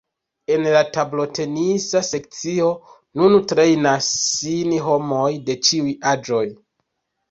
En la tablotenisa sekcio nun trejnas sin homoj de ĉiuj aĝoj.